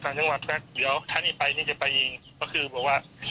นี่พร้อมที่จะไปอยู่แล้ว